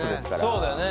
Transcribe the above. そうだよね。